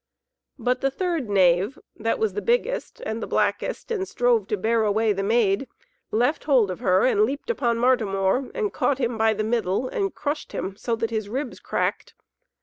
But the third knave, that was the biggest and the blackest, and strove to bear away the Maid, left bold of her, and leaped upon Martimor and caught him by the middle and crushed him so that his ribs cracked.